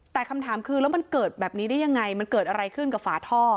แต่คำถามคือแล้วมันเกิดแบบนี้ได้ยังไงมันเกิดอะไรขึ้นกับฝาท่อ